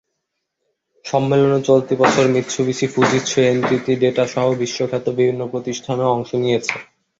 সম্মেলনে চলতি বছর মিতসুবিশি, ফুজিৎসু, এনটিটি ডেটাসহ বিশ্বখ্যাত বিভিন্ন প্রতিষ্ঠান অংশ নিয়েছে।